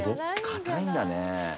かたいんだね。